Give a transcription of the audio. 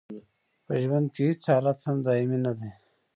په ژوند کې هیڅ حالت هم دایمي نه دی.